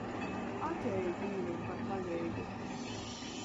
Atej, Dīveņ, par paleigu!